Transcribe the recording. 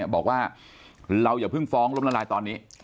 บอกว่าเราอย่าเพิ่งฟ้องล้มละลายตอนนี้